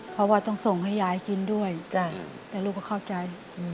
พอบ่าจะส่งให้ยายกินด้วยแต่ลูกก็เข้าใจ